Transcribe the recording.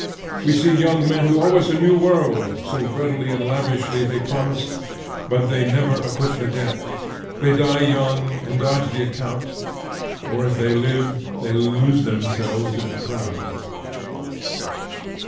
We see young men who owe us a new world, so readily and lavishly they promise, but they never acquit the debt; they die young and dodge the account; or if they live they lose themselves in the crowd.